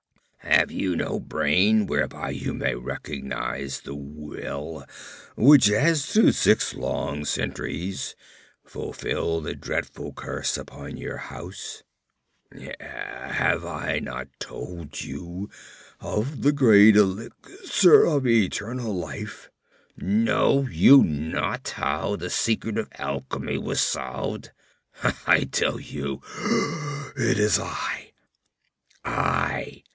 Have you no brain whereby you may recognize the will which has through six long centuries fulfilled the dreadful curse upon your house? Have I not told you of the great elixir of eternal life? Know you not how the secret of Alchemy was solved? I tell you, it is I! I! I!